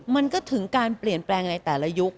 มันก็ถึงการเปลี่ยนแปลงในแต่ละยุค